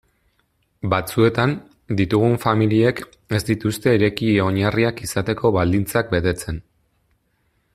Batzuetan, ditugun familiek ez dituzte ireki-oinarriak izateko baldintzak betetzen.